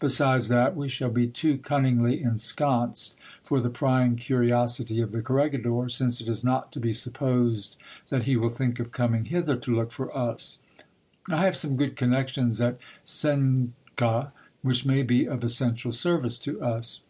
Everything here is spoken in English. Besides ! that we shall be too cunningly ensconced for the prying curiosity of the corregi dor, since it is not to be supposed that he will think of coming hither to look for us, I have some good connections at Cuenca, which may be of essential service to us.